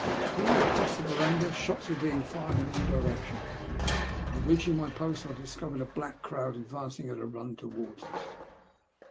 Before I had crossed the verandah, shots were being fired in all directions, and on reach ing my post, I discovered a black crowd advancing at a run towards us.